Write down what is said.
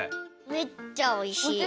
めっちゃおいしい！